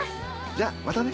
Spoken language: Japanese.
じゃあまたね。